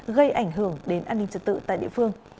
gây ảnh hưởng đến an ninh trật tự tại địa phương